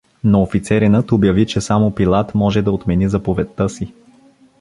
Но офицеринът обяви, че само Пилат може да отмени заповедта си.